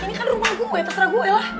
lo ini kan rumah gua ya terserah gua ya lah